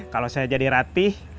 kalau saya jadi rapih